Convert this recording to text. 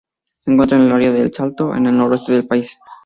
Se encuentra en el área del de Salto en el noroeste del país.